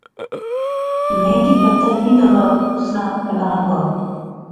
میں کی پتہ نی لغا کُس ناں اعلان وہا